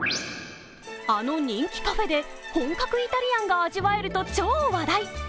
あの人気カフェで本格イタリアンが味わえると超話題。